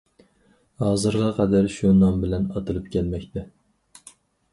ھازىرغا قەدەر شۇ نام بىلەن ئاتىلىپ كەلمەكتە.